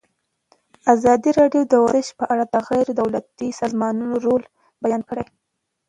ازادي راډیو د ورزش په اړه د غیر دولتي سازمانونو رول بیان کړی.